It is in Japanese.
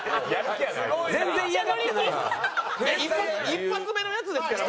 一発目のやつですから。